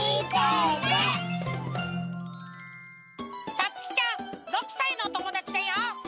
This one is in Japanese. さつきちゃん６さいのおともだちだよ。